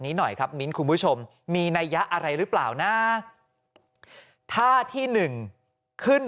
หน่อยครับมิ้นคุณผู้ชมมีนัยยะอะไรหรือเปล่านะท่าที่หนึ่งขึ้น